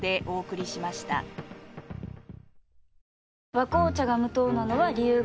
「和紅茶」が無糖なのは、理由があるんよ。